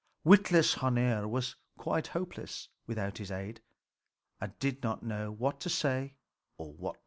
Witless Hœnir was quite helpless without his aid, and did not know what to do or say.